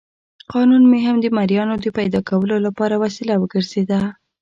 قانون هم د مریانو د پیدا کولو لپاره وسیله وګرځېده.